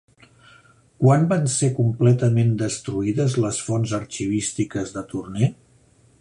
Quan van ser completament destruïdes les fonts arxivístiques de Tournai?